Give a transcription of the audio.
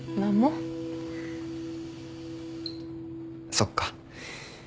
そっか。